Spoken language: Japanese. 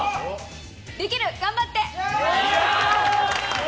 できる、頑張って！